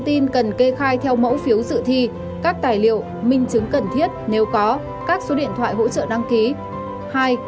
tin cần kê khai theo mẫu phiếu sự thi các tài liệu minh chứng cần thiết nếu có các số điện thoại hỗ trợ đăng ký